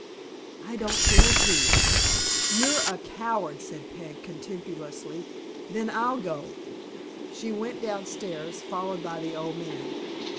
"I don't dare to." "You're a coward," said Peg, contemptuously. "Then I'll go." She went down stairs, followed by the old man.